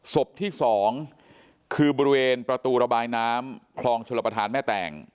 ศพที่๒คือบริเวณประตูระบายน้ำคลองชลประธานแม่แตง